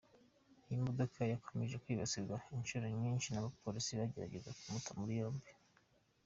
Iyi modoka yakomeje kwibasirwa inshuro nyinshi n’abapolisi bagerageza kumuta muri yombi.